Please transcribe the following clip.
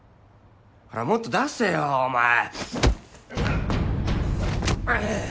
ほらもっと出せよお前ドカッ！